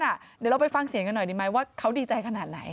เดี๋ยวเราไปฟังเสียงกันหน่อยดีไหมว่าเขาดีใจขนาดไหน